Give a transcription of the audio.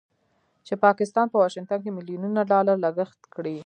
چې پاکستان په واشنګټن کې مليونونو ډالر لګښت کړی